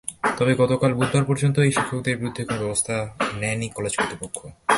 তবে গতকাল বুধবার পর্যন্ত ওই শিক্ষকদের বিরুদ্ধে ব্যবস্থা নেয়নি কলেজ কর্তৃপক্ষ।